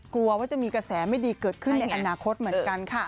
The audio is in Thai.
กลัวว่าจะมีกระแสไม่ดีเกิดขึ้นในอนาคตเหมือนกันค่ะ